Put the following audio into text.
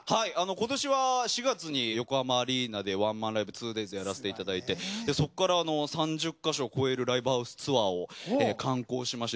今年は４月に横浜アリーナでワンマンライブ２デイズやらせていただいてでそこから３０か所を超えるライブハウスツアーを敢行しまして。